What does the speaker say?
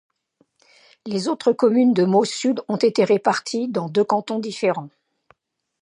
Les autres communes de Meaux-Sud ont été réparties dans deux cantons différents.